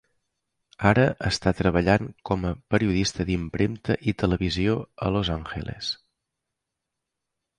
Ara està treballant com a periodista d'impremta i televisió a Los Angeles.